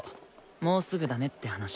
もうすぐだねって話。